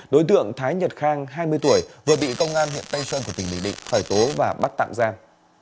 đối tượng thái nhật khang hai mươi tuổi vừa bị công an huyện tây sơn của tỉnh bình định khởi tố và bắt tạm giam